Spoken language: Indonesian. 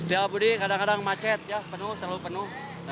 setiapudi kadang kadang macet penuh terlalu penuh